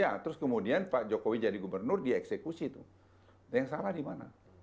ya terus kemudian pak jokowi jadi gubernur dia eksekusi tuh yang salah di mana